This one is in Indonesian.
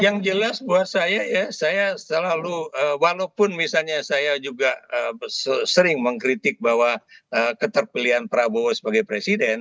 yang jelas buat saya ya saya selalu walaupun misalnya saya juga sering mengkritik bahwa keterpilihan prabowo sebagai presiden